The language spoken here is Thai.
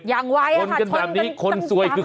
คนซวยคูยังใครอ่ะครับ